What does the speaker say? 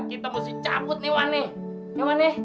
kita mesti cabut nih wan